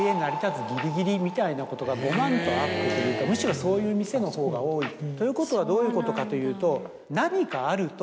みたいなことがごまんとあってというかむしろそういう店のほうが多いということはどういうことか。